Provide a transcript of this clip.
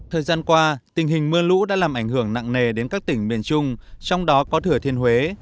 thời gian qua tình hình mưa lũ đã làm ảnh hưởng nặng nề đến các tỉnh miền trung trong đó có thừa thiên huế